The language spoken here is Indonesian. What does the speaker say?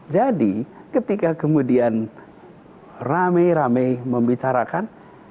ketika kemudian rame rame membicarakan